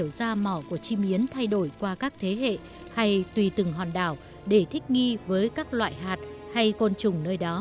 và từ những nhận xét này darwin đã hiểu ra mỏ của chim yến thay đổi qua các thế hệ hay tùy từng hòn đảo để thích nghi với các loài hạt hay côn trùng nơi đó